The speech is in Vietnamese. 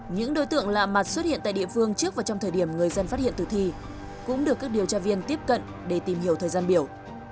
những đối tượng lạ mặt xuất hiện tại địa phương trước và trong thời điểm người dân phát hiện tử thi cũng được các điều tra viên tiếp cận để tìm hiểu thời gian biểu